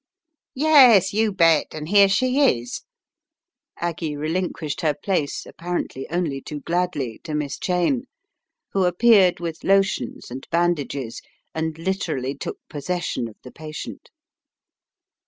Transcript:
"Yes, you bet, and here she is." Aggie relin quished her place, apparently only too gladly, to Miss Cheyne, who appeared with lotions and band ages, and literally took possession of the patient.